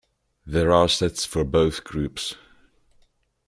There are sets for both groups.